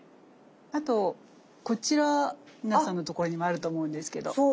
あとこちら皆さんのところにもあると思うんですけど。